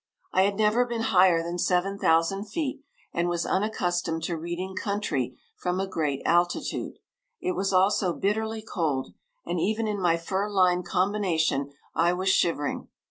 I had never been higher than 7,000 feet and was unaccustomed to reading country from a great altitude. It was also bitterly cold, and even in my fur lined combination I was shivering.